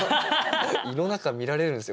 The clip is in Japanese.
胃の中見られるんすよ？